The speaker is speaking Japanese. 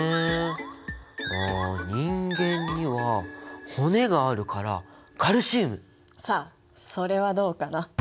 あ人間には骨があるからさあそれはどうかな？